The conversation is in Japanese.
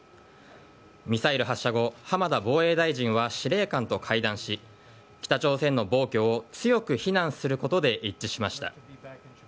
ミサイル発射後、浜田防衛大臣は司令官と会談し、北朝鮮の暴挙を強く非難することで一致しました。